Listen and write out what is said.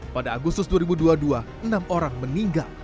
pada agustus dua ribu dua puluh dua enam orang meninggal